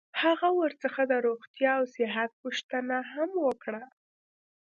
هغه ورڅخه د روغتیا او صحت پوښتنه هم وکړه.